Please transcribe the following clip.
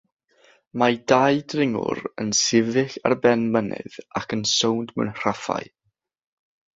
Mae dau ddringwr yn sefyll ar ben mynydd ac yn sownd mewn rhaffau